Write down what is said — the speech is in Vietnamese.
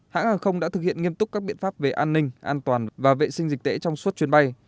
hãng hàng không đã thực hiện nghiêm túc các biện pháp về an ninh an toàn và vệ sinh dịch tễ trong suốt chuyến bay